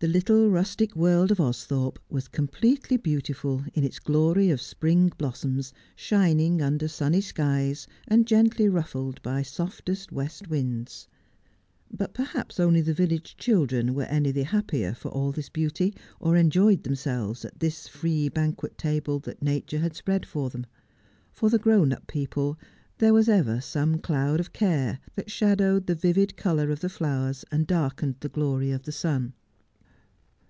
The little rustic world of Austhorpe was completely beautiful in its glory of spring blos soms, shining under sunny skies, and gently ruffled by softest ' I do not understand you, Morton.' 233 west winds ; but perhaps only the village children were any the happier for all this beauty, or enjoyed themselves at this free banquet table Nature had spread for them. For the grown up people there was ever some cloud of care that shadowed the vivid colour of the flowers and darkened the glory of the sun.